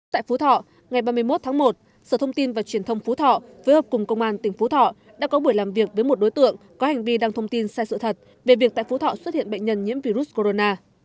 tại phú thọ ngày ba mươi một tháng một sở thông tin và truyền thông phú thọ với hợp cùng công an tỉnh phú thọ đã có buổi làm việc với một đối tượng có hành vi đăng thông tin sai sự thật về việc tại phú thọ xuất hiện bệnh nhân nhiễm virus corona